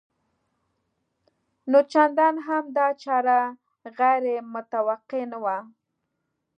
نو چندان هم دا چاره غیر متوقع نه وه